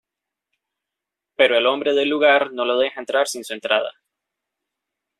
Pero el hombre del lugar no lo deja entrar sin su entrada.